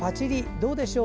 どうでしょう？